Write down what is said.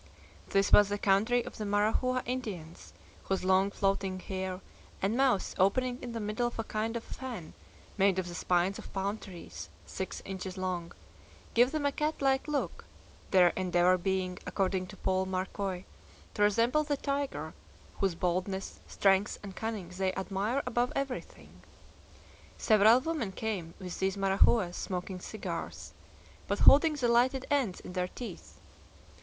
This was the country of the Marahua Indians, whose long floating hair, and mouths opening in the middle of a kind of fan made of the spines of palm trees, six inches long, give them a cat like look their endeavor being, according to Paul Marcoy, to resemble the tiger, whose boldness, strength, and cunning they admire above everything. Several women came with these Marahuas, smoking cigars, but holding the lighted ends in their teeth.